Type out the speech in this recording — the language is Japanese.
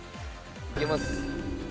いけます。